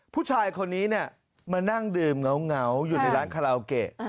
ผู้ชายคนนี้มานั่งดื่มเหงาอยู่ในร้านคาราโอเกะ